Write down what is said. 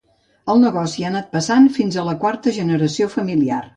El negoci ha anat passant fins a la quarta generació familiar.